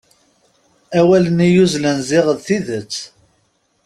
Awal-nni yuzzlen ziɣ d tidet.